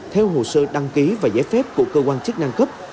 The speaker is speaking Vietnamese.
theo hồ sơ đăng ký và giải phép của cơ quan chức năng cấp